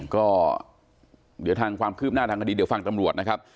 ก็เดี๋ยวทางความคืบหน้าทางคดีเดี๋ยวฟังตำรวจนะครับ